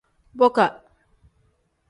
Boka.